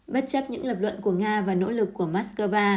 bất chấp những lập luận của nga và nỗ lực của moscow